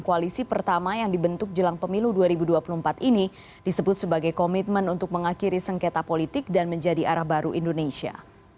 koalisi pertama yang dibentuk jelang pemilu dua ribu dua puluh empat ini disebut sebagai komitmen untuk mengakhiri sengketa politik dan menjadi arah baru indonesia